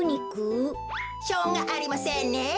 しょうがありませんね。